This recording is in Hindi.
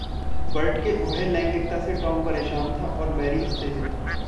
बर्ट के उभयलैंगिकता से टॉम परेशान था और मैरी उत्तेजित।